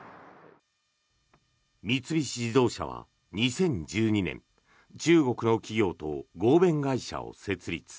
三菱自動車は２０１２年中国の企業と合弁会社を設立。